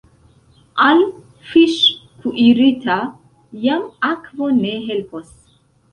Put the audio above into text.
Al fiŝ’ kuirita jam akvo ne helpos.